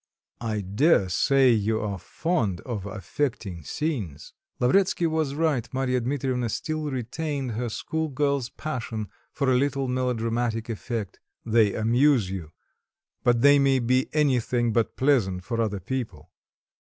"I dare say you are fond of affecting scenes" (Lavretsky was right, Marya Dmitrievna still retained her school girl's passion for a little melodramatic effect), "they amuse you; but they may be anything but pleasant for other people.